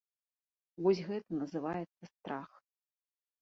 Вось гэта называецца страх.